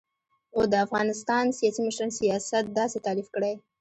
و : د افغانستان سیاسی مشران سیاست داسی تعریف کړی